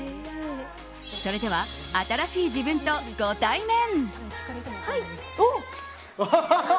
それでは新しい自分とご対面。